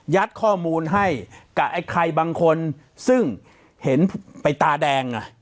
ข้อมูลให้กับไอ้ใครบางคนซึ่งเห็นไปตาแดง